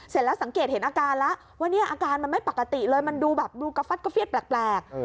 เสร็จแล้วสังเกตเห็นอาการแล้วว่าเนี่ยอาการมันไม่ปกติเลยมันดูแบบดูกระฟัดกระเฟียดแปลก